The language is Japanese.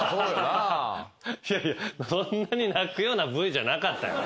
いやいやそんなに泣くようなＶじゃなかったよ。